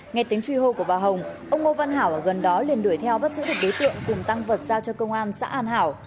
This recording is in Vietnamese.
nghe tiếng truy hô của bà hồng ông ngô văn hảo ở gần đó liền đuổi theo bắt giữ được đối tượng cùng tăng vật giao cho công an xã an hảo